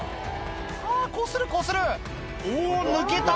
あこするこするお抜けた！